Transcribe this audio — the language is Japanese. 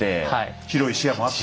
広い視野もあって。